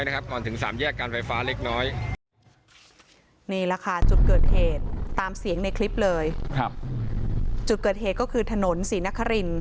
นี่แหละค่ะจุดเกิดเหตุตามเสียงในคลิปเลยครับจุดเกิดเหตุก็คือถนนศรีนคริน